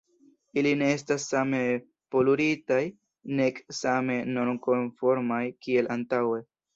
Ili ne estas same poluritaj, nek same normkonformaj kiel antaŭe.